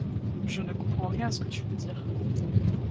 Je ne comprends rien à ce que tu veux dire.